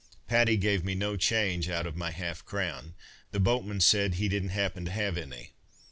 Patty gave me no change out of my half crown. The boatman said he didn't happen to have any.